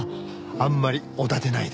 あんまりおだてないで。